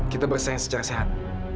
kita bersenang secara sehat